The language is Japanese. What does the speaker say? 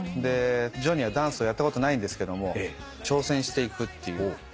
ジョニーはダンスをやったことないんですけども挑戦していくっていう。